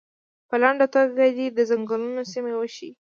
په لنډه توګه دې د څنګلونو سیمې وښیي.